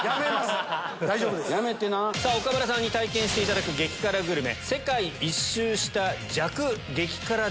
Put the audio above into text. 岡村さんに体験していただく激辛グルメ。